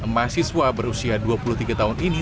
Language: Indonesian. mahasiswa berusia dua puluh tiga tahun ini